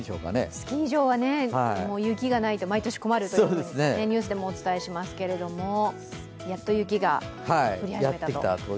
スキー場は雪がないと毎年困るとニュースでもお伝えしますが、やっと雪が降り始めたと。